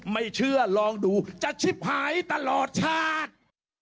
ไม่เชื่อลองดูจะชิบหายตลอดชาติ